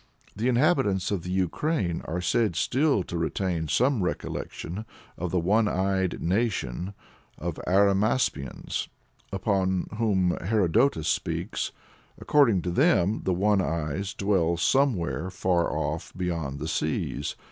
The inhabitants of the Ukraine are said still to retain some recollection of the one eyed nation of Arimaspians of whom Herodotus speaks (Bk. IV. c. 27). According to them the One Eyes dwell somewhere far off, beyond the seas.